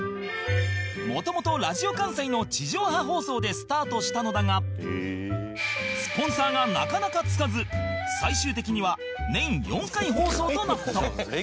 もともとラジオ関西の地上波放送でスタートしたのだがスポンサーがなかなか付かず最終的には年４回放送となった